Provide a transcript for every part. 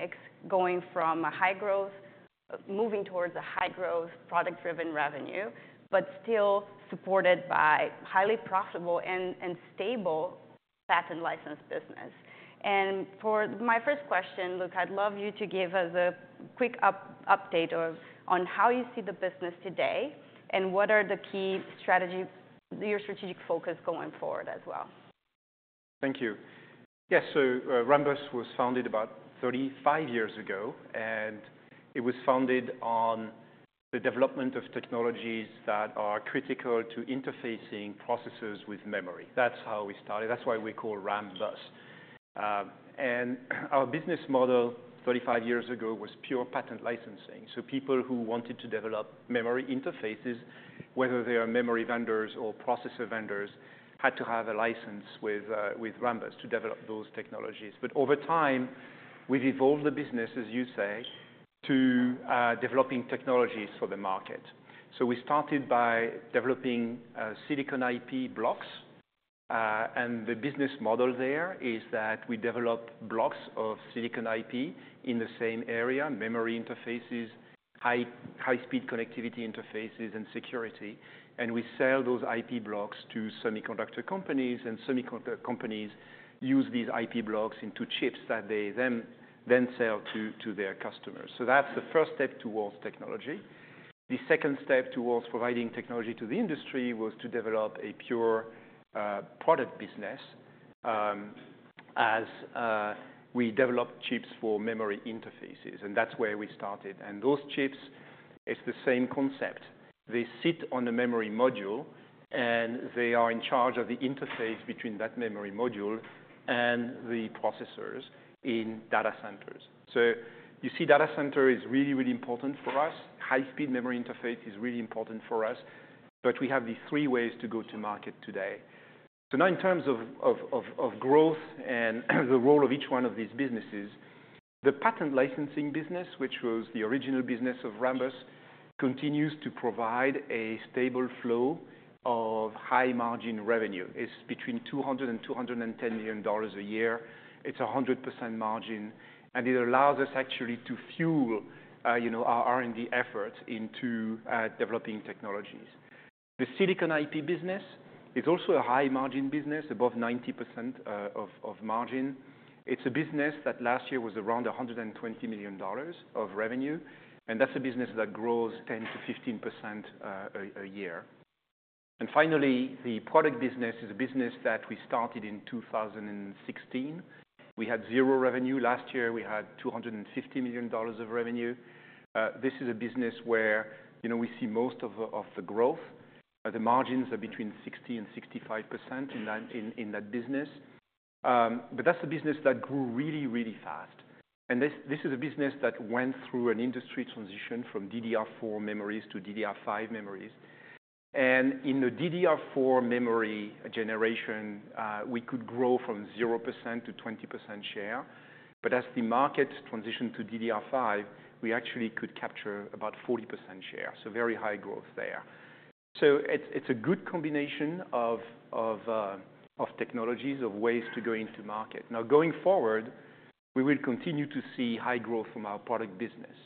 Mix going from a high growth, moving towards a high growth, product-driven revenue, but still supported by highly profitable and stable patent license business. For my first question, Luc, I'd love you to give us a quick update on how you see the business today and what are the key strategy, your strategic focus going forward as well. Thank you. Yes, so Rambus was founded about 35 years ago, and it was founded on the development of technologies that are critical to interfacing processors with memory. That's how we started. That's why we call Rambus. And our business model 35 years ago was pure patent licensing. So people who wanted to develop memory interfaces, whether they are memory vendors or processor vendors, had to have a license with Rambus to develop those technologies. But over time, we've evolved the business, as you say, to developing technologies for the market. So we started by developing silicon IP blocks. And the business model there is that we develop blocks of silicon IP in the same area, memory interfaces, high-speed connectivity interfaces, and security. And we sell those IP blocks to semiconductor companies, and semiconductor companies use these IP blocks into chips that they then sell to their customers. That's the first step towards technology. The second step towards providing technology to the industry was to develop a pure product business as we develop chips for memory interfaces. That's where we started. Those chips, it's the same concept. They sit on a memory module, and they are in charge of the interface between that memory module and the processors in data centers. You see data center is really, really important for us. High-speed memory interface is really important for us. We have these three ways to go to market today. Now in terms of growth and the role of each one of these businesses, the patent licensing business, which was the original business of Rambus, continues to provide a stable flow of high margin revenue. It's between $200 and $210 million a year. It's 100% margin. It allows us actually to fuel our R&D efforts into developing technologies. The silicon IP business is also a high margin business, above 90% of margin. It's a business that last year was around $120 million of revenue. That's a business that grows 10%-15% a year. Finally, the product business is a business that we started in 2016. We had zero revenue. Last year, we had $250 million of revenue. This is a business where we see most of the growth. The margins are between 60% and 65% in that business. That's a business that grew really, really fast. This is a business that went through an industry transition from DDR4 memories to DDR5 memories. In the DDR4 memory generation, we could grow from 0%-20% share. As the market transitioned to DDR5, we actually could capture about 40% share. So very high growth there. So it's a good combination of technologies, of ways to go into market. Now, going forward, we will continue to see high growth from our product business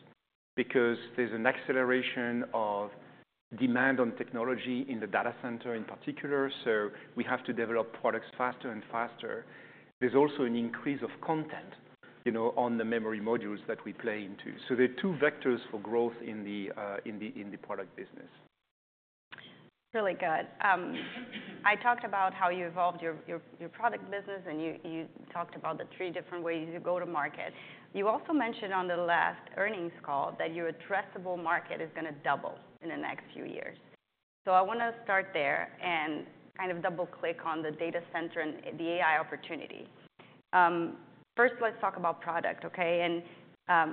because there's an acceleration of demand on technology in the data center in particular. So we have to develop products faster and faster. There's also an increase of content on the memory modules that we play into. So there are two vectors for growth in the product business. Really good. I talked about how you evolved your product business, and you talked about the three different ways you go to market. You also mentioned on the last earnings call that your addressable market is going to double in the next few years. So I want to start there and kind of double-click on the data center and the AI opportunity. First, let's talk about product, OK? And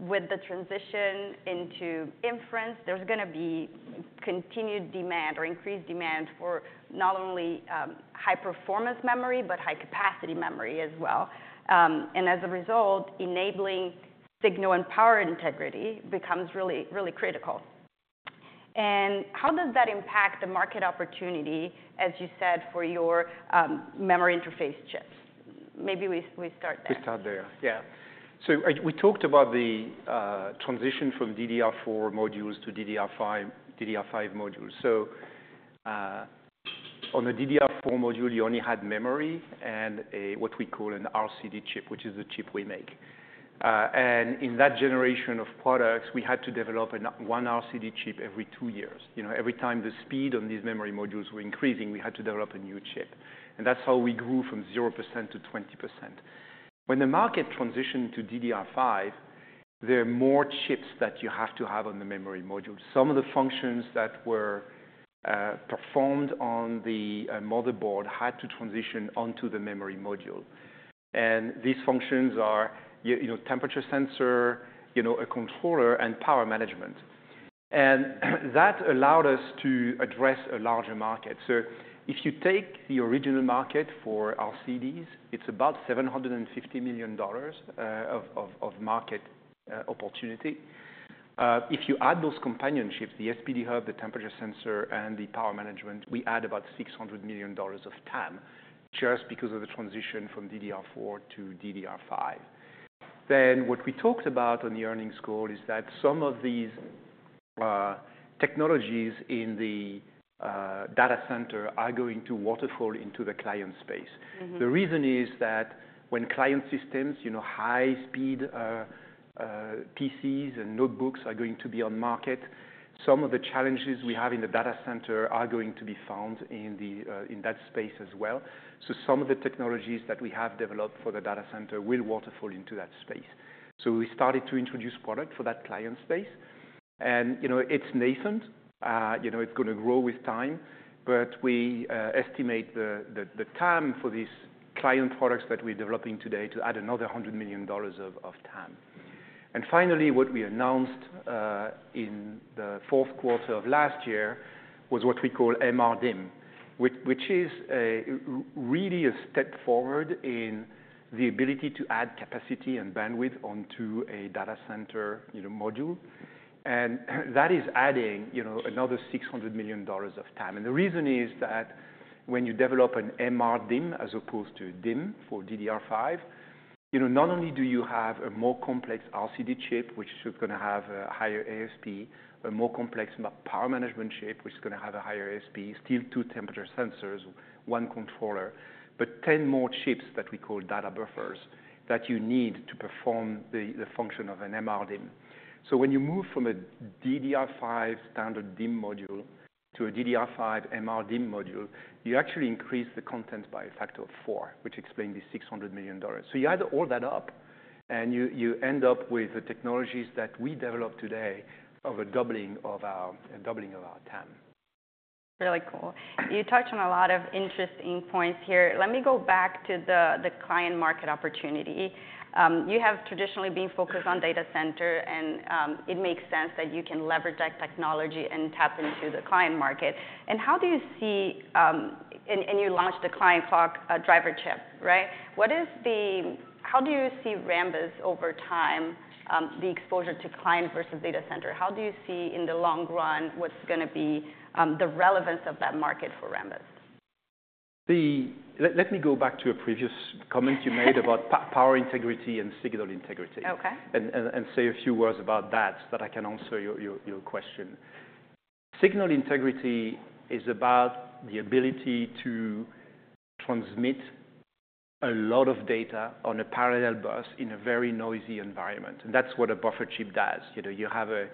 with the transition into inference, there's going to be continued demand or increased demand for not only high-performance memory, but high-capacity memory as well. And as a result, enabling signal and power integrity becomes really, really critical. And how does that impact the market opportunity, as you said, for your memory interface chips? Maybe we start there. We start there, yeah. So we talked about the transition from DDR4 modules to DDR5 modules. So on the DDR4 module, you only had memory and what we call an RCD chip, which is the chip we make. And in that generation of products, we had to develop one RCD chip every two years. Every time the speed on these memory modules were increasing, we had to develop a new chip. And that's how we grew from 0%-20%. When the market transitioned to DDR5, there are more chips that you have to have on the memory module. Some of the functions that were performed on the motherboard had to transition onto the memory module. And these functions are temperature sensor, a controller, and power management. And that allowed us to address a larger market. If you take the original market for RCDs, it's about $750 million of market opportunity. If you add those companion chips, the SPD Hub, the temperature sensor, and the power management, we add about $600 million of TAM just because of the transition from DDR4 to DDR5. What we talked about on the earnings call is that some of these technologies in the data center are going to waterfall into the client space. The reason is that when client systems, high-speed PCs and notebooks are going to be on the market, some of the challenges we have in the data center are going to be found in that space as well. Some of the technologies that we have developed for the data center will waterfall into that space. We started to introduce product for that client space. It's nascent. It's going to grow with time. But we estimate the TAM for these client products that we're developing today to add another $100 million of TAM. And finally, what we announced in the fourth quarter of last year was what we call MRDIMM, which is really a step forward in the ability to add capacity and bandwidth onto a data center module. And that is adding another $600 million of TAM. And the reason is that when you develop an MRDIMM as opposed to DIMM for DDR5, not only do you have a more complex RCD chip, which is going to have a higher ASP, a more complex power management chip, which is going to have a higher ASP, still two temperature sensors, one controller, but 10 more chips that we call Data Buffers that you need to perform the function of an MRDIMM. So when you move from a DDR5 standard DIMM module to a DDR5 MRDIMM module, you actually increase the content by a factor of four, which explains the $600 million. So you add all that up, and you end up with the technologies that we develop today of a doubling of our TAM. Really cool. You touched on a lot of interesting points here. Let me go back to the client market opportunity. You have traditionally been focused on data center, and it makes sense that you can leverage that technology and tap into the client market, and how do you see and you launched the Client Clock Driver chip, right? How do you see Rambus over time, the exposure to client versus data center? How do you see in the long run what's going to be the relevance of that market for Rambus? Let me go back to a previous comment you made about power integrity and signal integrity. OK. And say a few words about that so that I can answer your question. Signal integrity is about the ability to transmit a lot of data on a parallel bus in a very noisy environment. And that's what a buffer chip does. You have a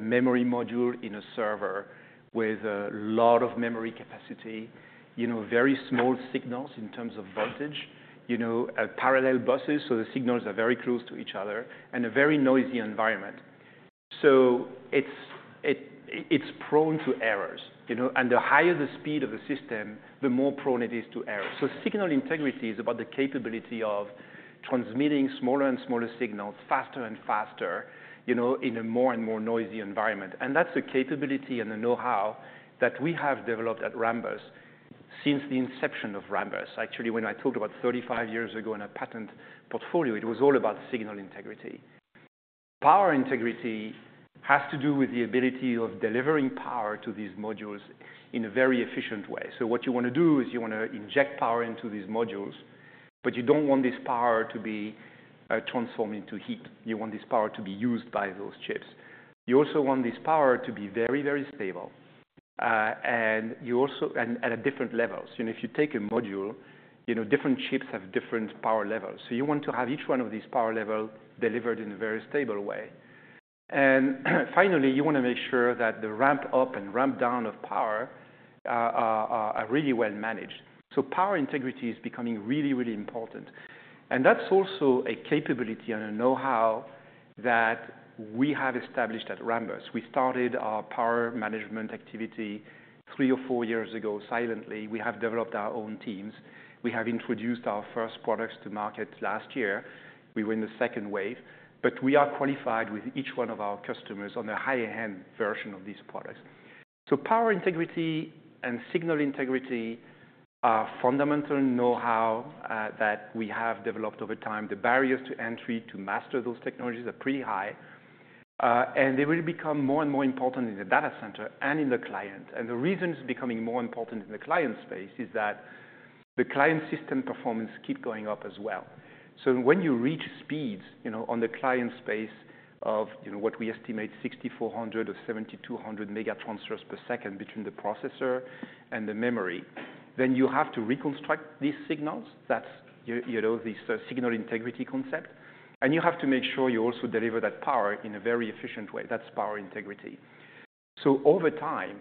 memory module in a server with a lot of memory capacity, very small signals in terms of voltage, parallel buses, so the signals are very close to each other, and a very noisy environment. So it's prone to errors. And the higher the speed of the system, the more prone it is to errors. So signal integrity is about the capability of transmitting smaller and smaller signals faster and faster in a more and more noisy environment. And that's the capability and the know-how that we have developed at Rambus since the inception of Rambus. Actually, when I talked about 35 years ago in a patent portfolio, it was all about signal integrity. Power integrity has to do with the ability of delivering power to these modules in a very efficient way, so what you want to do is you want to inject power into these modules, but you don't want this power to be transformed into heat. You want this power to be used by those chips. You also want this power to be very, very stable and at different levels. If you take a module, different chips have different power levels, so you want to have each one of these power levels delivered in a very stable way, and finally, you want to make sure that the ramp up and ramp down of power are really well managed, so power integrity is becoming really, really important. And that's also a capability and a know-how that we have established at Rambus. We started our power management activity three or four years ago silently. We have developed our own teams. We have introduced our first products to market last year. We were in the second wave. But we are qualified with each one of our customers on the higher-end version of these products. So power integrity and signal integrity are fundamental know-how that we have developed over time. The barriers to entry to master those technologies are pretty high. And they will become more and more important in the data center and in the client. And the reason it's becoming more important in the client space is that the client system performance keeps going up as well. So when you reach speeds on the client space of what we estimate 6,400 MT/s or 7,200 MT/s between the processor and the memory, then you have to reconstruct these signals. That's the signal integrity concept. And you have to make sure you also deliver that power in a very efficient way. That's power integrity. So over time,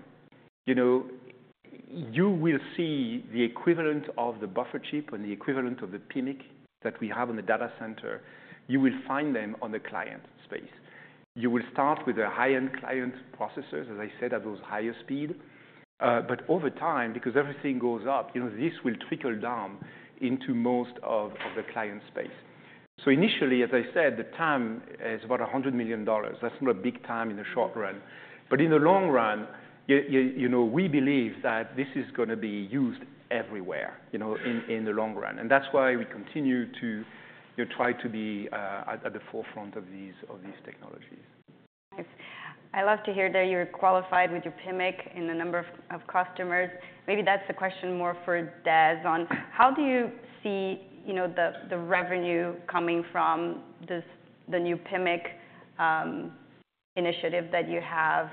you will see the equivalent of the buffer chip and the equivalent of the PMIC that we have in the data center. You will find them on the client space. You will start with the high-end client processors, as I said, at those higher speeds. But over time, because everything goes up, this will trickle down into most of the client space. So initially, as I said, the TAM is about $100 million. That's not a big TAM in the short run. But in the long run, we believe that this is going to be used everywhere in the long run. And that's why we continue to try to be at the forefront of these technologies. I love to hear that you're qualified with your PMIC in a number of customers. Maybe that's a question more for Des on how do you see the revenue coming from the new PMIC initiative that you have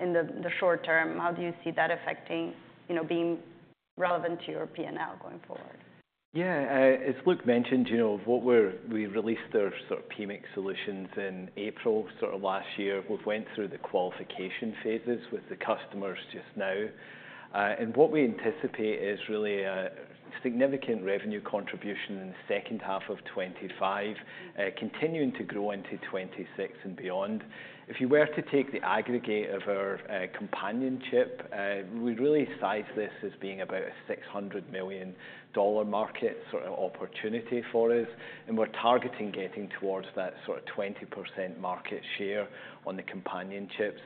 in the short term? How do you see that affecting being relevant to your P&L going forward? Yeah. As Luc mentioned, we released our sort of PMIC solutions in April sort of last year. We've went through the qualification phases with the customers just now, and what we anticipate is really a significant revenue contribution in the second half of 2025, continuing to grow into 2026 and beyond. If you were to take the aggregate of our companion chip, we really size this as being about a $600 million market sort of opportunity for us, and we're targeting getting towards that sort of 20% market share on the companion chips,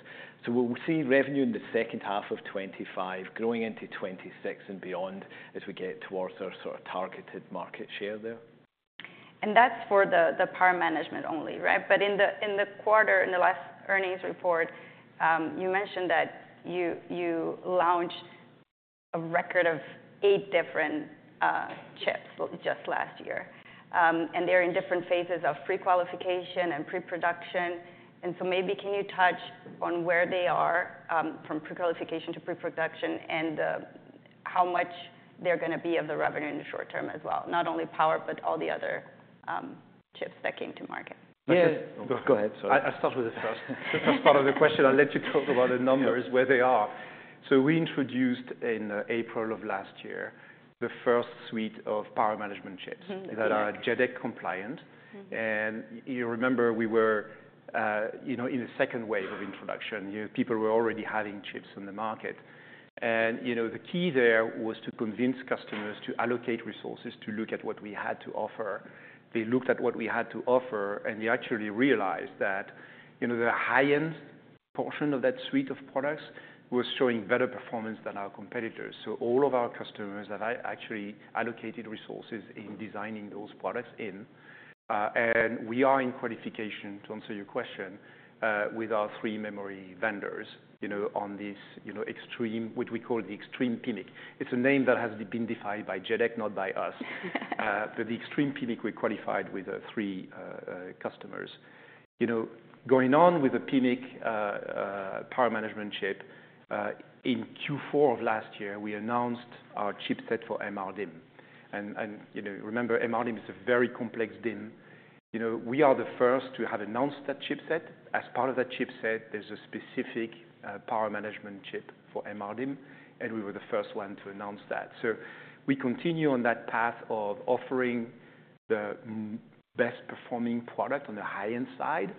so we'll see revenue in the second half of 2025 growing into 2026 and beyond as we get towards our sort of targeted market share there. And that's for the power management only, right? But in the quarter, in the last earnings report, you mentioned that you launched a record of eight different chips just last year. And they're in different phases of pre-qualification and pre-production. And so maybe can you touch on where they are from pre-qualification to pre-production and how much they're going to be of the revenue in the short term as well, not only power, but all the other chips that came to market? Go ahead. Sorry. I'll start with the first part of the question. I'll let you talk about the numbers, where they are. So we introduced in April of last year the first suite of power management chips that are JEDEC compliant. And you remember we were in the second wave of introduction. People were already having chips on the market. And the key there was to convince customers to allocate resources to look at what we had to offer. They looked at what we had to offer, and they actually realized that the high-end portion of that suite of products was showing better performance than our competitors. So all of our customers have actually allocated resources in designing those products in. And we are in qualification, to answer your question, with our three memory vendors on this Extreme, what we call the Extreme PMIC. It's a name that has been defined by JEDEC, not by us. But the Extreme PMIC, we qualified with three customers. Going on with the PMIC power management chip, in Q4 of last year, we announced our chipset for MRDIMM. And remember, MRDIMM is a very complex DIMM. We are the first to have announced that chipset. As part of that chipset, there's a specific power management chip for MRDIMM. And we were the first one to announce that. So we continue on that path of offering the best-performing product on the high-end side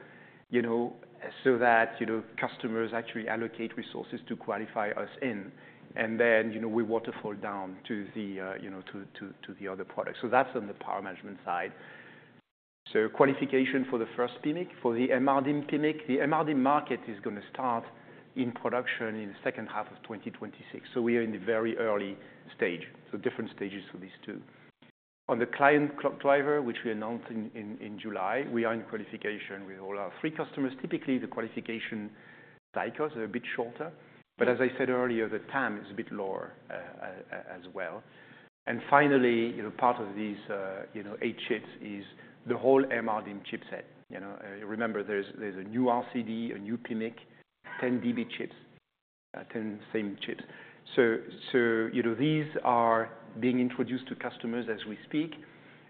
so that customers actually allocate resources to qualify us in. And then we waterfall down to the other products. So that's on the power management side. So qualification for the first PMIC, for the MRDIMM PMIC, the MRDIMM market is going to start in production in the second half of 2026. We are in the very early stage. Different stages for these two. On the client clock driver, which we announced in July, we are in qualification with all our three customers. Typically, the qualification cycles are a bit shorter. But as I said earlier, the TAM is a bit lower as well. And finally, part of these eight chips is the whole MRDIMM chipset. Remember, there's a new RCD, a new PMIC, 10 DB chips. These are being introduced to customers as we speak.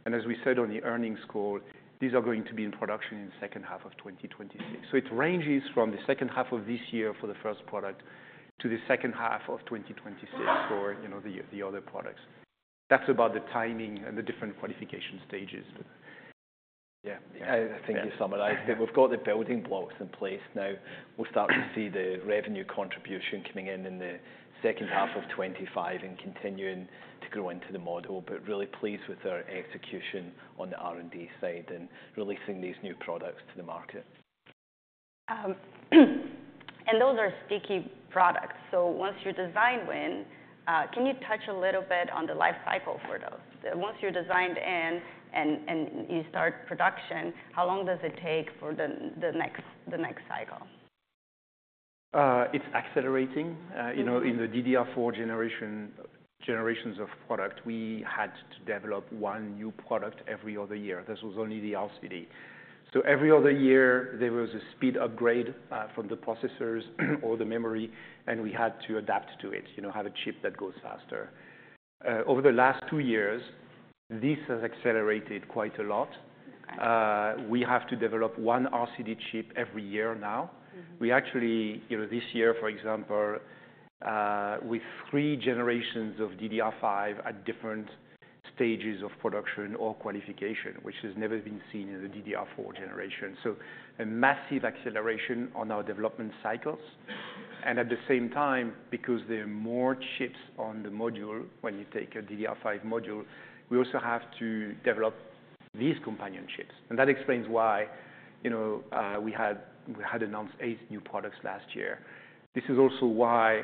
And as we said on the earnings call, these are going to be in production in the second half of 2026. It ranges from the second half of this year for the first product to the second half of 2026 for the other products. That's about the timing and the different qualification stages. Yeah. I think you summarized it. We've got the building blocks in place. Now we'll start to see the revenue contribution coming in in the second half of 2025 and continuing to grow into the model. But really pleased with our execution on the R&D side and releasing these new products to the market. And those are sticky products. So once you're designed in, can you touch a little bit on the life cycle for those? Once you're designed in and you start production, how long does it take for the next cycle? It's accelerating. In the DDR4 generations of product, we had to develop one new product every other year. This was only the RCD, so every other year, there was a speed upgrade from the processors or the memory, and we had to adapt to it, have a chip that goes faster. Over the last two years, this has accelerated quite a lot. We have to develop one RCD chip every year now. We actually, this year, for example, with three generations of DDR5 at different stages of production or qualification, which has never been seen in the DDR4 generation, so a massive acceleration on our development cycles, and at the same time, because there are more chips on the module when you take a DDR5 module, we also have to develop these companion chips, and that explains why we had announced eight new products last year. This is also why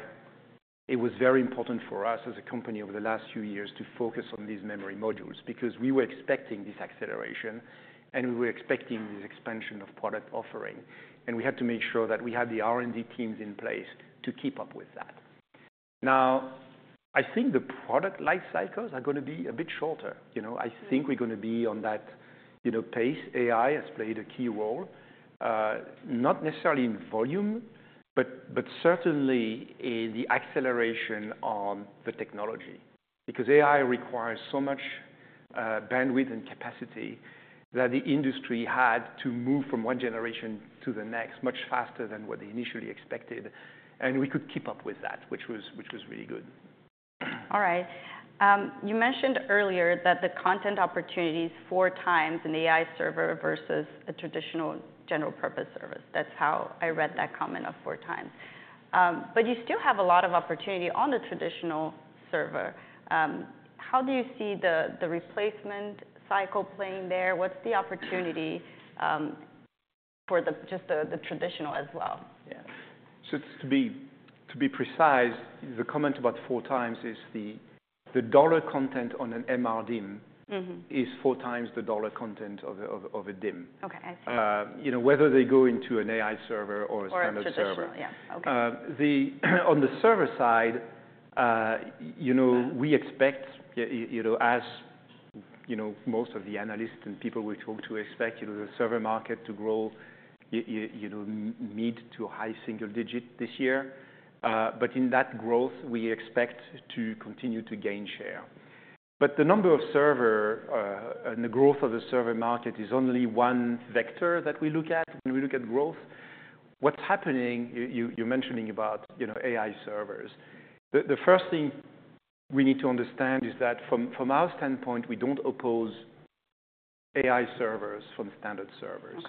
it was very important for us as a company over the last few years to focus on these memory modules, because we were expecting this acceleration, and we were expecting this expansion of product offering, and we had to make sure that we had the R&D teams in place to keep up with that. Now, I think the product life cycles are going to be a bit shorter. I think we're going to be on that pace. AI has played a key role, not necessarily in volume, but certainly in the acceleration on the technology, because AI requires so much bandwidth and capacity that the industry had to move from one generation to the next much faster than what they initially expected, and we could keep up with that, which was really good. All right. You mentioned earlier that the compute opportunities four times in the AI server versus a traditional general purpose server. That's how I read that comment of four times. But you still have a lot of opportunity on the traditional server. How do you see the replacement cycle playing there? What's the opportunity for just the traditional as well? Yeah. So to be precise, the comment about four times is the dollar content on an MRDIMM is four times the dollar content of a DIMM. OK. Whether they go into an AI server or a standard server. Or a traditional, yeah. OK. On the server side, we expect, as most of the analysts and people we talk to expect, the server market to grow mid- to high-single-digit this year. But in that growth, we expect to continue to gain share. But the number of servers and the growth of the server market is only one vector that we look at when we look at growth. What's happening, you're mentioning about AI servers, the first thing we need to understand is that from our standpoint, we don't oppose AI servers from standard servers.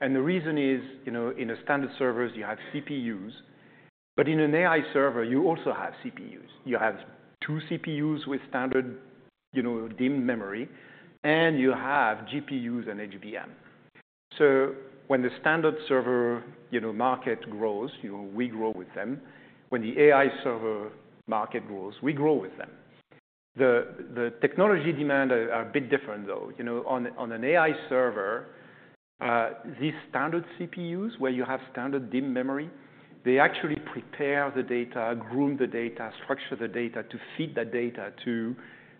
And the reason is in a standard server, you have CPUs. But in an AI server, you also have CPUs. You have two CPUs with standard DIMM memory. And you have GPUs and HBM. So when the standard server market grows, we grow with them. When the AI server market grows, we grow with them. The technology demands are a bit different, though. On an AI server, these standard CPUs, where you have standard DIMM memory, they actually prepare the data, groom the data, structure the data to feed that data to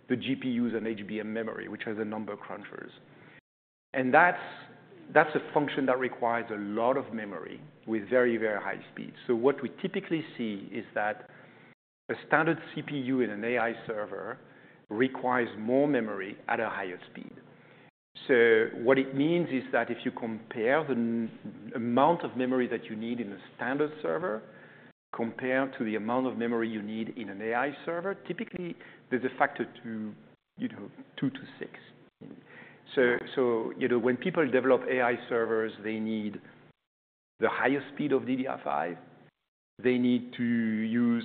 the GPUs and HBM memory, which are the number crunchers, and that's a function that requires a lot of memory with very, very high speeds, so what we typically see is that a standard CPU in an AI server requires more memory at a higher speed, so what it means is that if you compare the amount of memory that you need in a standard server compared to the amount of memory you need in an AI server, typically, there's a factor of two to six, so when people develop AI servers, they need the highest speed of DDR5. They need to use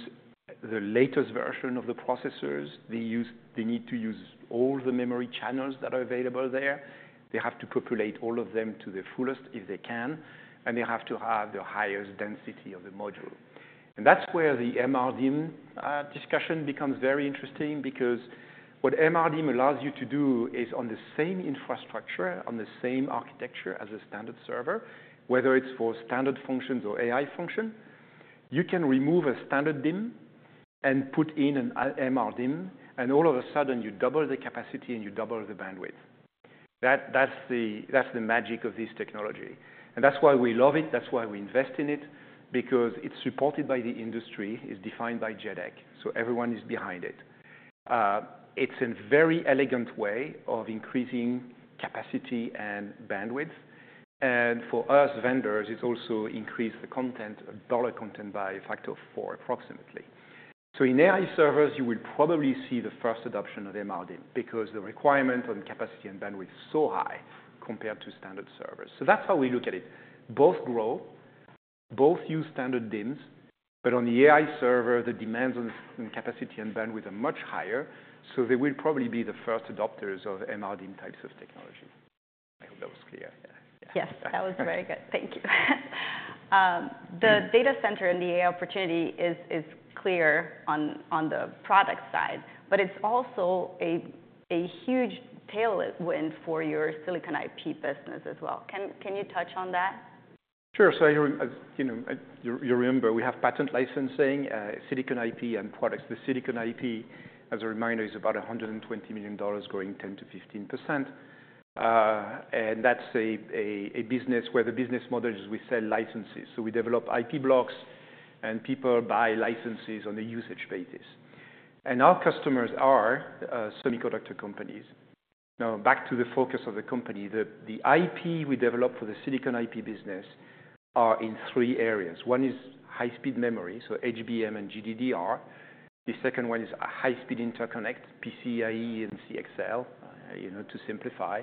the latest version of the processors. They need to use all the memory channels that are available there. They have to populate all of them to the fullest if they can. And they have to have the highest density of the module. And that's where the MRDIMM discussion becomes very interesting, because what MRDIMM allows you to do is on the same infrastructure, on the same architecture as a standard server, whether it's for standard functions or AI function, you can remove a standard DIMM and put in an MRDIMM. And all of a sudden, you double the capacity and you double the bandwidth. That's the magic of this technology. And that's why we love it. That's why we invest in it, because it's supported by the industry. It's defined by JEDEC. So everyone is behind it. It's a very elegant way of increasing capacity and bandwidth. And for us vendors, it's also increased the dollar content by a factor of four, approximately. So in AI servers, you will probably see the first adoption of MRDIMM, because the requirement on capacity and bandwidth is so high compared to standard servers. So that's how we look at it. Both grow, both use standard DIMMs. But on the AI server, the demands on capacity and bandwidth are much higher. So they will probably be the first adopters of MRDIMM types of technology. I hope that was clear. Yes, that was very good. Thank you. The data center and the AI opportunity is clear on the product side. But it's also a huge tailwind for your silicon IP business as well. Can you touch on that? Sure. So you remember, we have patent licensing, silicon IP, and products. The silicon IP, as a reminder, is about $120 million growing 10%-15%. And that's a business where the business model is we sell licenses. So we develop IP blocks. And people buy licenses on a usage basis. And our customers are semiconductor companies. Now, back to the focus of the company, the IP we develop for the silicon IP business are in three areas. One is high-speed memory, so HBM and GDDR. The second one is high-speed interconnect, PCIe and CXL, to simplify,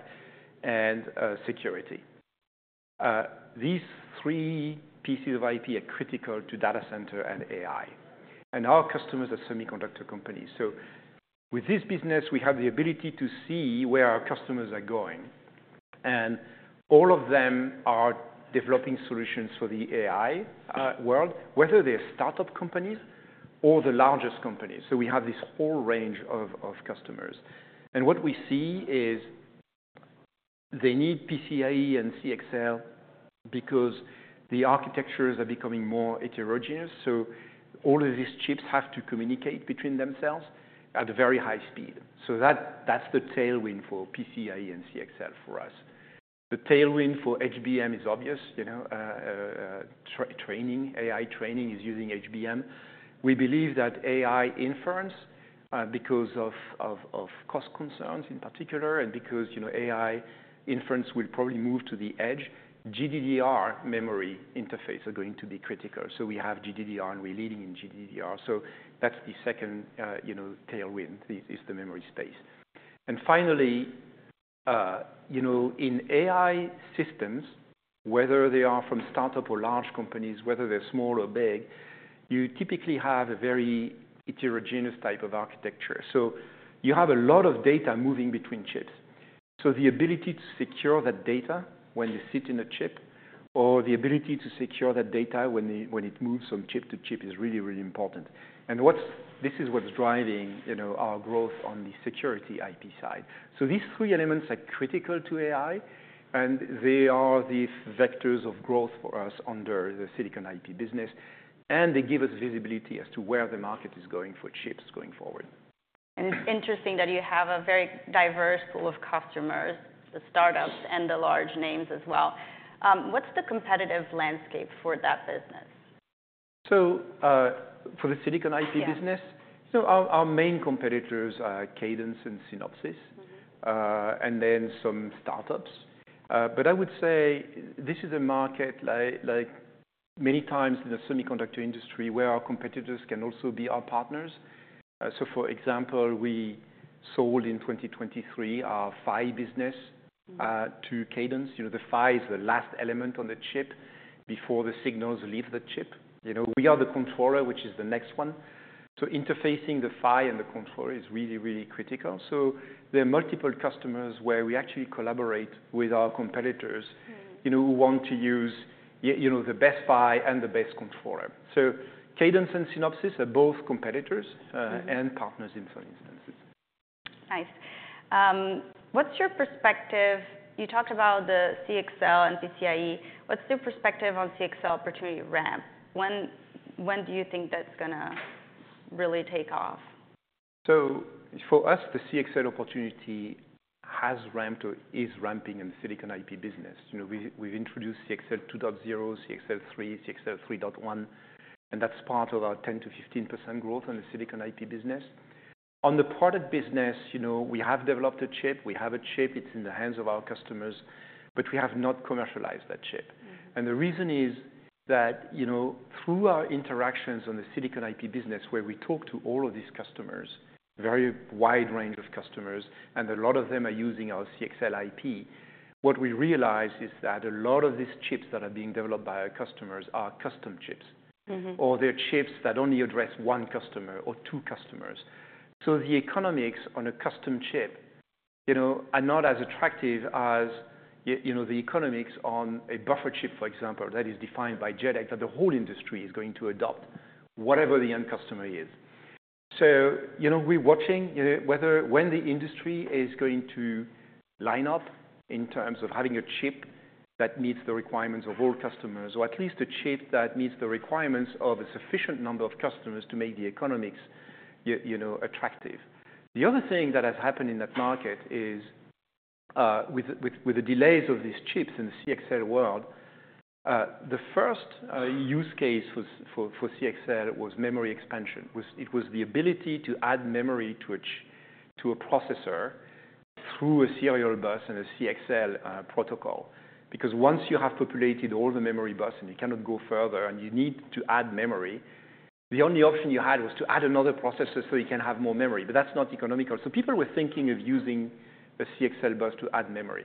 and security. These three pieces of IP are critical to data center and AI. And our customers are semiconductor companies. So with this business, we have the ability to see where our customers are going. And all of them are developing solutions for the AI world, whether they're startup companies or the largest companies. So we have this whole range of customers. And what we see is they need PCIe and CXL because the architectures are becoming more heterogeneous. So all of these chips have to communicate between themselves at a very high speed. So that's the tailwind for PCIe and CXL for us. The tailwind for HBM is obvious. AI training is using HBM. We believe that AI inference, because of cost concerns in particular and because AI inference will probably move to the edge, GDDR memory interface are going to be critical. So we have GDDR, and we're leading in GDDR. So that's the second tailwind is the memory space. And finally, in AI systems, whether they are from startup or large companies, whether they're small or big, you typically have a very heterogeneous type of architecture. So you have a lot of data moving between chips. So the ability to secure that data when they sit in a chip or the ability to secure that data when it moves from chip to chip is really, really important. And this is what's driving our growth on the security IP side. So these three elements are critical to AI. And they are the vectors of growth for us under the silicon IP business. And they give us visibility as to where the market is going for chips going forward. It's interesting that you have a very diverse pool of customers, the startups and the large names as well. What's the competitive landscape for that business? So for the silicon IP business, our main competitors are Cadence and Synopsys, and then some startups. But I would say this is a market, like many times in the semiconductor industry, where our competitors can also be our partners. So for example, we sold in 2023 our PHY business to Cadence. The PHY is the last element on the chip before the signals leave the chip. We are the controller, which is the next one. So interfacing the PHY and the controller is really, really critical. So there are multiple customers where we actually collaborate with our competitors who want to use the best PHY and the best controller. So Cadence and Synopsys are both competitors and partners in some instances. Nice. What's your perspective? You talked about the CXL and PCIe. What's your perspective on CXL opportunity ramp? When do you think that's going to really take off? So for us, the CXL opportunity has ramped or is ramping in the silicon IP business. We've introduced CXL 2.0, CXL 3, CXL 3.1. And that's part of our 10% to 15% growth in the silicon IP business. On the product business, we have developed a chip. We have a chip. It's in the hands of our customers. But we have not commercialized that chip. And the reason is that through our interactions on the silicon IP business, where we talk to all of these customers, a very wide range of customers, and a lot of them are using our CXL IP, what we realize is that a lot of these chips that are being developed by our customers are custom chips, or they're chips that only address one customer or two customers. So the economics on a custom chip are not as attractive as the economics on a buffer chip, for example, that is defined by JEDEC that the whole industry is going to adopt, whatever the end customer is. So we're watching whether when the industry is going to line up in terms of having a chip that meets the requirements of all customers, or at least a chip that meets the requirements of a sufficient number of customers to make the economics attractive. The other thing that has happened in that market is with the delays of these chips in the CXL world, the first use case for CXL was memory expansion. It was the ability to add memory to a processor through a serial bus and a CXL protocol. Because once you have populated all the memory bus and you cannot go further, and you need to add memory, the only option you had was to add another processor so you can have more memory, but that's not economical, so people were thinking of using a CXL bus to add memory.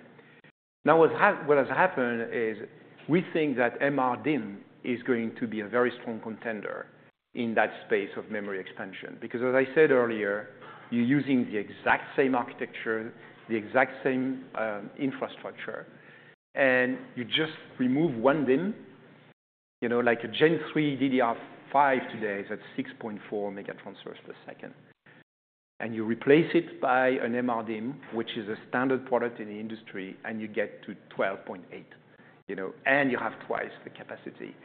Now, what has happened is we think that MRDIMM is going to be a very strong contender in that space of memory expansion. Because as I said earlier, you're using the exact same architecture, the exact same infrastructure, and you just remove one DIMM, like a Gen3 DDR5 today is at 6.4 MT/s, and you replace it by an MRDIMM, which is a standard product in the industry, and you get to 12.8 MT/s, and you have twice the capacity.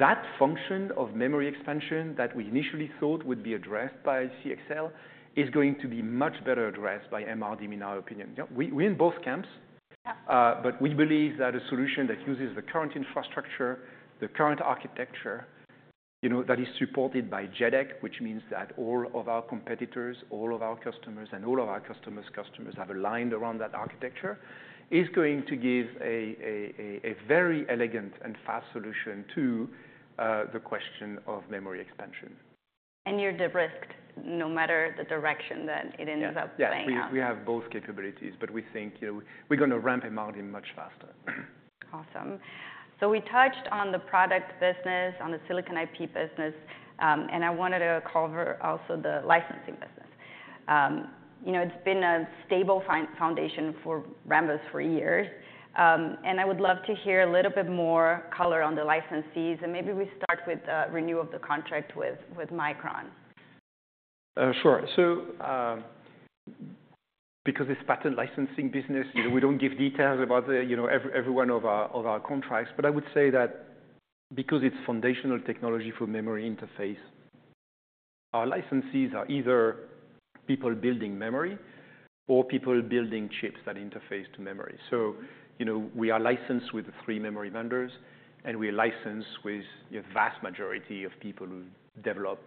That function of memory expansion that we initially thought would be addressed by CXL is going to be much better addressed by MRDIMM, in our opinion. We're in both camps. But we believe that a solution that uses the current infrastructure, the current architecture that is supported by JEDEC, which means that all of our competitors, all of our customers, and all of our customers' customers have aligned around that architecture, is going to give a very elegant and fast solution to the question of memory expansion. You're de-risked no matter the direction that it ends up playing. Yeah, we have both capabilities. But we think we're going to ramp MRDIMM much faster. Awesome. So we touched on the product business, on the silicon IP business. And I wanted to cover also the licensing business. It's been a stable foundation for Rambus for years. And I would love to hear a little bit more color on the licensees. And maybe we start with renewal of the contract with Micron. Sure. So, because it's patent licensing business, we don't give details about every one of our contracts. But I would say that because it's foundational technology for memory interface, our licensees are either people building memory or people building chips that interface to memory. So we are licensed with the three memory vendors. And we are licensed with the vast majority of people who develop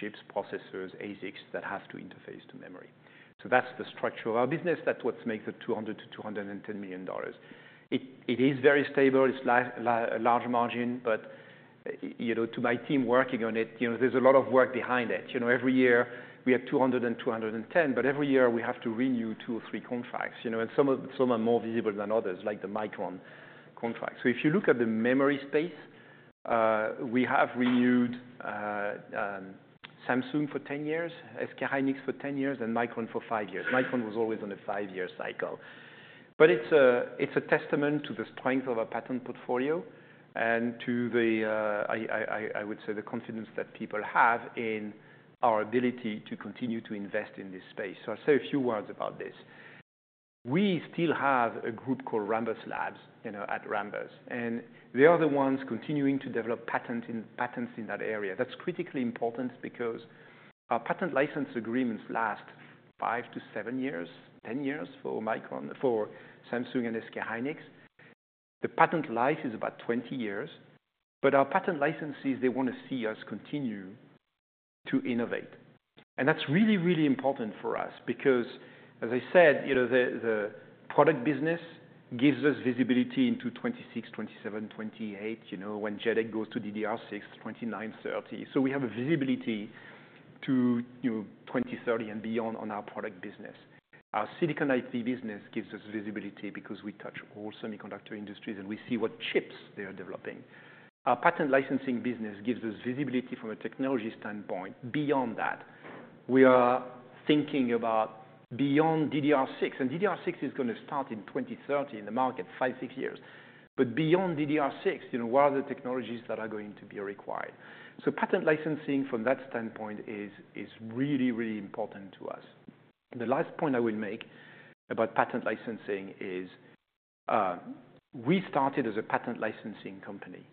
chips, processors, ASICs that have to interface to memory. So that's the structure of our business. That's what makes it $200 million-$210 million. It is very stable. It's large margin. But to my team working on it, there's a lot of work behind it. Every year, we have 200 and 210. But every year, we have to renew two or three contracts. And some are more visible than others, like the Micron contract. So if you look at the memory space, we have renewed Samsung for 10 years, SK hynix for 10 years, and Micron for five years. Micron was always on a five-year cycle. But it's a testament to the strength of our patent portfolio and to, I would say, the confidence that people have in our ability to continue to invest in this space. So I'll say a few words about this. We still have a group called Rambus Labs at Rambus. And they are the ones continuing to develop patents in that area. That's critically important because our patent license agreements last five to seven years, 10 years for Micron, for Samsung, and SK hynix. The patent life is about 20 years. But our patent licensees, they want to see us continue to innovate. That's really, really important for us because, as I said, the product business gives us visibility into 2026, 2027, 2028, when JEDEC goes to DDR6, 2029, 2030. So we have a visibility to 2030 and beyond on our product business. Our silicon IP business gives us visibility because we touch all semiconductor industries, and we see what chips they are developing. Our patent licensing business gives us visibility from a technology standpoint. Beyond that, we are thinking about beyond DDR6. DDR6 is going to start in 2030 in the market, five, six years. But beyond DDR6, what are the technologies that are going to be required? So patent licensing, from that standpoint, is really, really important to us. The last point I will make about patent licensing is we started as a patent licensing company.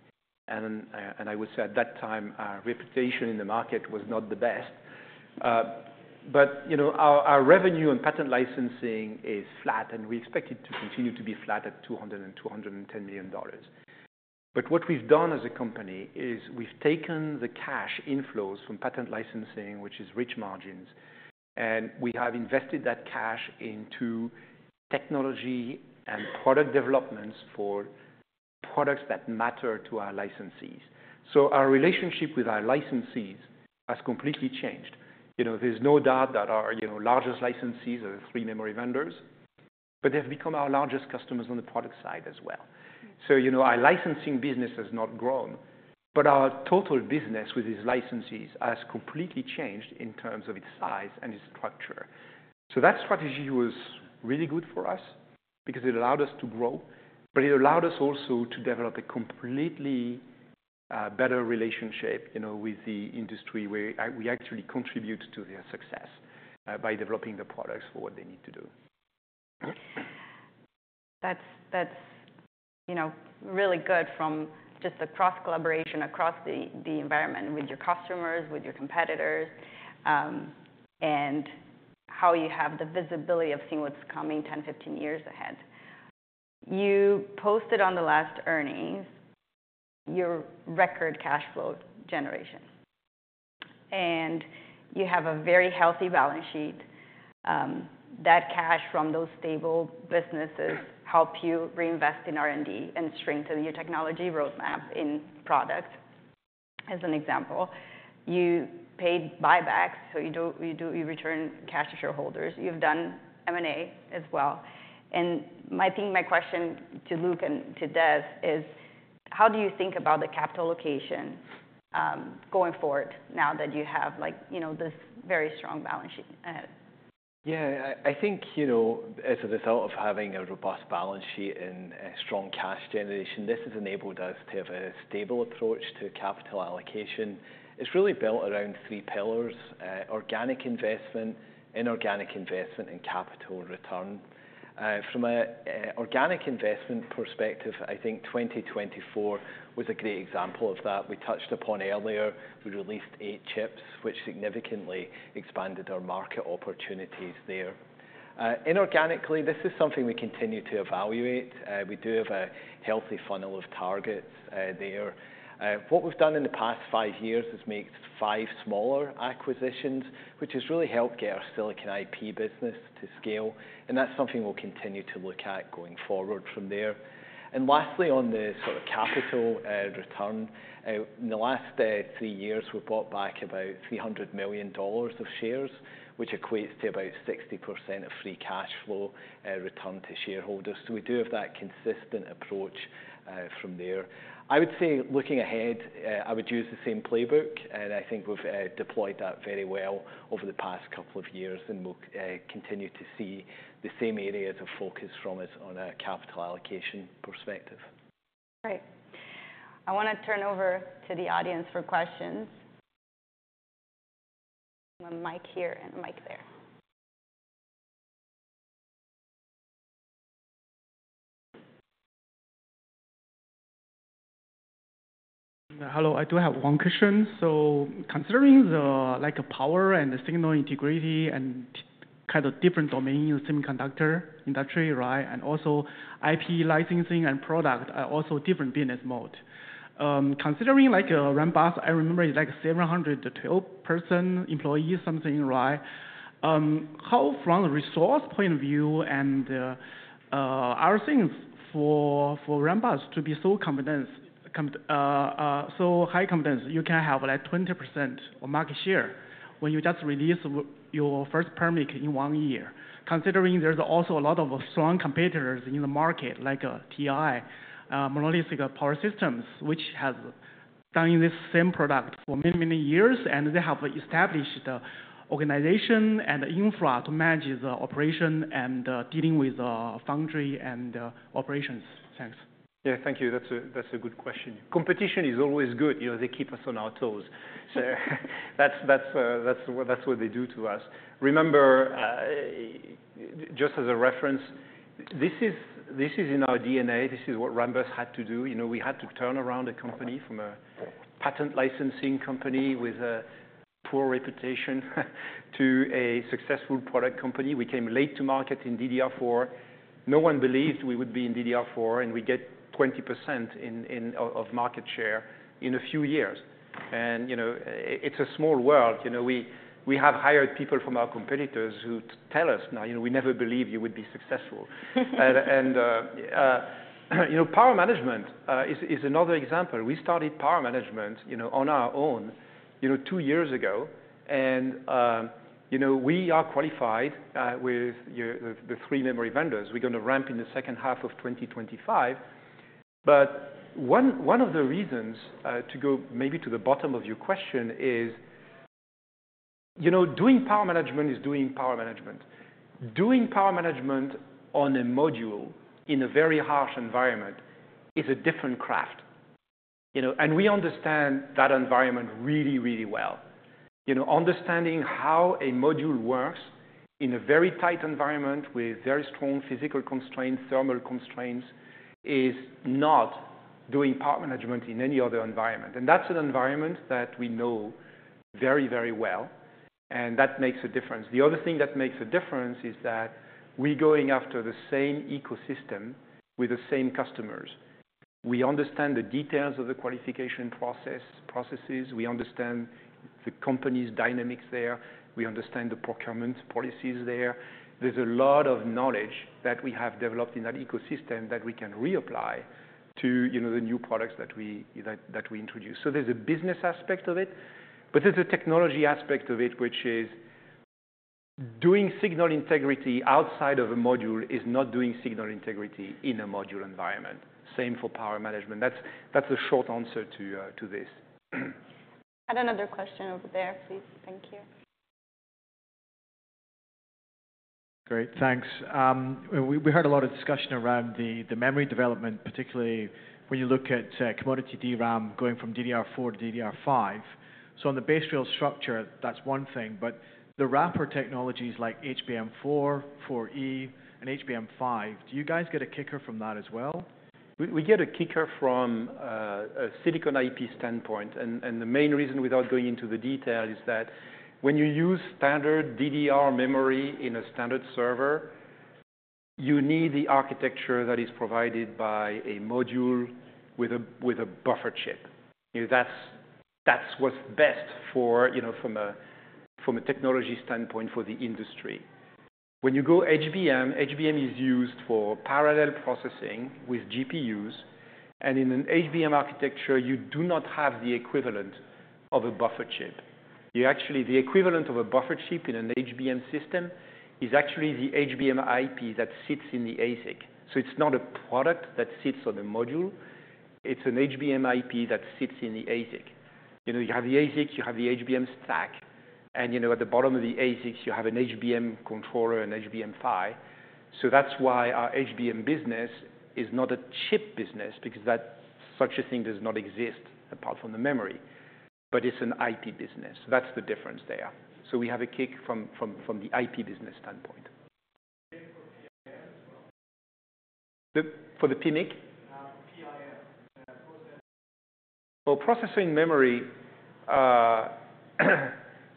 I would say at that time, our reputation in the market was not the best. But our revenue on patent licensing is flat. And we expect it to continue to be flat at $200-$210 million. But what we've done as a company is we've taken the cash inflows from patent licensing, which is rich margins. And we have invested that cash into technology and product developments for products that matter to our licensees. So our relationship with our licensees has completely changed. There's no doubt that our largest licensees are the three memory vendors. But they have become our largest customers on the product side as well. So our licensing business has not grown. But our total business with these licensees has completely changed in terms of its size and its structure. So that strategy was really good for us because it allowed us to grow. But it allowed us also to develop a completely better relationship with the industry where we actually contribute to their success by developing the products for what they need to do. That's really good from just the cross collaboration across the environment with your customers, with your competitors, and how you have the visibility of seeing what's coming 10, 15 years ahead. You posted on the last earnings your record cash flow generation. And you have a very healthy balance sheet. That cash from those stable businesses helped you reinvest in R&D and strengthen your technology roadmap in product, as an example. You paid buybacks. So you return cash to shareholders. You've done M&A as well. And I think my question to Luc and to Des is, how do you think about the capital allocation going forward now that you have this very strong balance sheet? Yeah, I think as a result of having a robust balance sheet and strong cash generation, this has enabled us to have a stable approach to capital allocation. It's really built around three pillars, organic investment, inorganic investment, and capital return. From an organic investment perspective, I think 2024 was a great example of that we touched upon earlier. We released eight chips, which significantly expanded our market opportunities there. Inorganically, this is something we continue to evaluate. We do have a healthy funnel of targets there. What we've done in the past five years is make five smaller acquisitions, which has really helped get our silicon IP business to scale, and that's something we'll continue to look at going forward from there. And lastly, on the sort of capital return, in the last three years, we bought back about $300 million of shares, which equates to about 60% of free cash flow return to shareholders. So we do have that consistent approach from there. I would say looking ahead, I would use the same playbook. And I think we've deployed that very well over the past couple of years. And we'll continue to see the same areas of focus from us on a capital allocation perspective. Great. I want to turn over to the audience for questions. I have a mic here and a mic there. Hello. I do have one question. So considering the power and the signal integrity and kind of different domain in the semiconductor industry, and also IP licensing and product are also different business modes. Considering Rambus, I remember it's like 712-person employees, something, right? How, from a resource point of view, and are things for Rambus to be so high confidence, you can have like 20% of market share when you just release your first product in one year, considering there's also a lot of strong competitors in the market, like TI, Monolithic Power Systems, which has done this same product for many, many years. And they have established the organization and the infra to manage the operation and dealing with the foundry and operations. Thanks. Yeah, thank you. That's a good question. Competition is always good. They keep us on our toes, so that's what they do to us. Remember, just as a reference, this is in our DNA. This is what Rambus had to do. We had to turn around a company from a patent licensing company with a poor reputation to a successful product company. We came late to market in DDR4. No one believed we would be in DDR4. And we get 20% of market share in a few years. And it's a small world. We have hired people from our competitors who tell us, now, we never believed you would be successful. And power management is another example. We started power management on our own two years ago. And we are qualified with the three memory vendors. We're going to ramp in the second half of 2025. But one of the reasons to go maybe to the bottom of your question is doing power management is doing power management. Doing power management on a module in a very harsh environment is a different craft. And we understand that environment really, really well. Understanding how a module works in a very tight environment with very strong physical constraints, thermal constraints, is not doing power management in any other environment. And that's an environment that we know very, very well. And that makes a difference. The other thing that makes a difference is that we're going after the same ecosystem with the same customers. We understand the details of the qualification processes. We understand the company's dynamics there. We understand the procurement policies there. There's a lot of knowledge that we have developed in that ecosystem that we can reapply to the new products that we introduce. So there's a business aspect of it. But there's a technology aspect of it, which is doing signal integrity outside of a module is not doing signal integrity in a module environment. Same for power management. That's a short answer to this. I had another question over there, please. Thank you. Great. Thanks. We heard a lot of discussion around the memory development, particularly when you look at commodity DRAM going from DDR4 to DDR5. So on the base rail structure, that's one thing. But the wafer technologies like HBM4, HBM4E, and HBM5, do you guys get a kicker from that as well? We get a kicker from a silicon IP standpoint, and the main reason without going into the detail is that when you use standard DDR memory in a standard server, you need the architecture that is provided by a module with a buffered chip. That's what's best from a technology standpoint for the industry. When you go HBM, HBM is used for parallel processing with GPUs, and in an HBM architecture, you do not have the equivalent of a buffered chip. The equivalent of a buffered chip in an HBM system is actually the HBM IP that sits in the ASIC. So it's not a product that sits on the module. It's an HBM IP that sits in the ASIC. You have the ASIC. You have the HBM stack, and at the bottom of the ASICs, you have an HBM controller and HBM PHY. So that's why our HBM business is not a chip business because such a thing does not exist apart from the memory. But it's an IP business. That's the difference there. So we have a kick from the IP business standpoint. For the PMIC? Processing memory,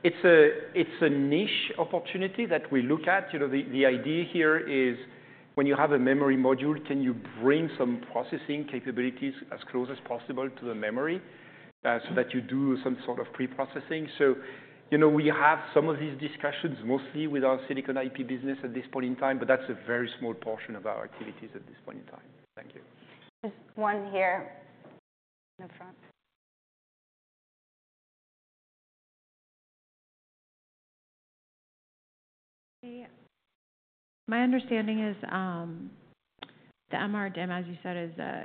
it's a niche opportunity that we look at. The idea here is when you have a memory module, can you bring some processing capabilities as close as possible to the memory so that you do some sort of pre-processing? We have some of these discussions mostly with our silicon IP business at this point in time. That's a very small portion of our activities at this point in time. Thank you. There's one here in the front. My understanding is the MRDIMM, as you said,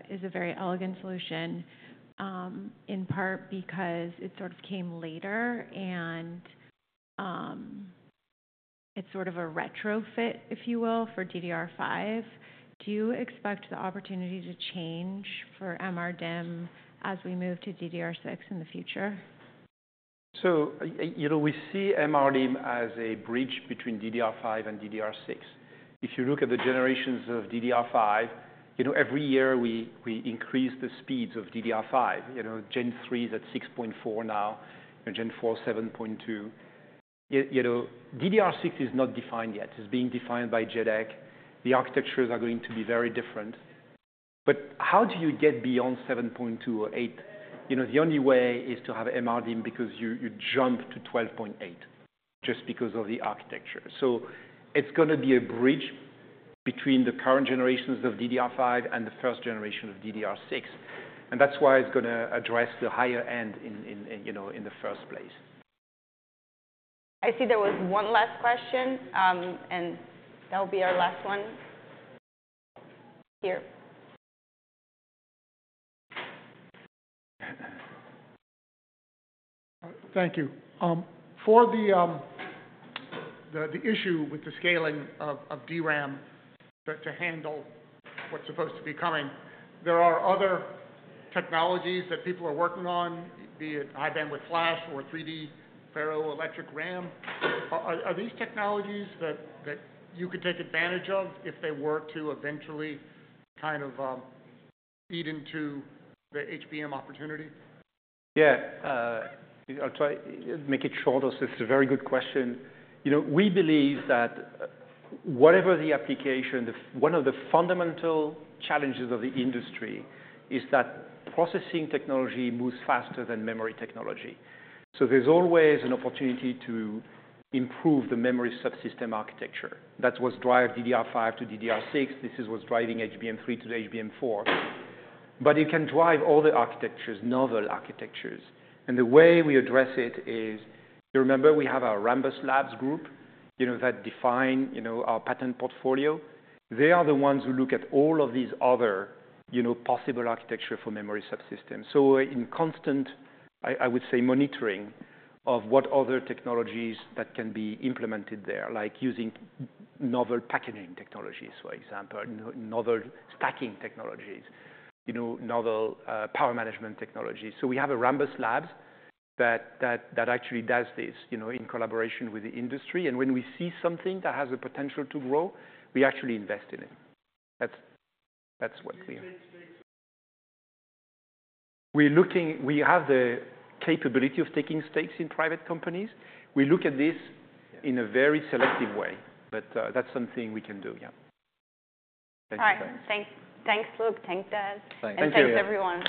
is a very elegant solution in part because it sort of came later, and it's sort of a retrofit, if you will, for DDR5. Do you expect the opportunity to change for MRDIMM as we move to DDR6 in the future? So we see MRDIMM as a bridge between DDR5 and DDR6. If you look at the generations of DDR5, every year we increase the speeds of DDR5. Gen3 is at 6.4 now. Gen4, 7.2. DDR6 is not defined yet. It's being defined by JEDEC. The architectures are going to be very different. But how do you get beyond 7.2 or 8? The only way is to have MRDIMM because you jump to 12.8 just because of the architecture. So it's going to be a bridge between the current generations of DDR5 and the first generation of DDR6. And that's why it's going to address the higher end in the first place. I see there was one last question. And that will be our last one here. Thank you. For the issue with the scaling of DRAM to handle what's supposed to be coming, there are other technologies that people are working on, be it high bandwidth flash or 3D ferroelectric RAM. Are these technologies that you could take advantage of if they were to eventually kind of feed into the HBM opportunity? Yeah. I'll try to make it short. This is a very good question. We believe that whatever the application, one of the fundamental challenges of the industry is that processing technology moves faster than memory technology. So there's always an opportunity to improve the memory subsystem architecture. That's what's driving DDR5 to DDR6. This is what's driving HBM3 to HBM4. But it can drive all the architectures, novel architectures. And the way we address it is, remember, we have our Rambus Labs group that define our patent portfolio. They are the ones who look at all of these other possible architectures for memory subsystems. So in constant, I would say, monitoring of what other technologies that can be implemented there, like using novel packaging technologies, for example, novel stacking technologies, novel power management technologies. So we have a Rambus Labs that actually does this in collaboration with the industry. And when we see something that has the potential to grow, we actually invest in it. That's what we are. We have the capability of taking stakes in private companies. We look at this in a very selective way. But that's something we can do. Yeah. All right. Thanks, Luc. Thank you, Des. Thank you. Thank you, everyone.